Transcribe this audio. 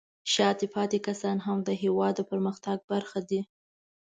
شاته پاتې کسان هم د هېواد د پرمختګ برخه دي.